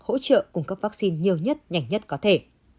hỗ trợ cung cấp vắc xin nhiều nhất nhanh nhất có thể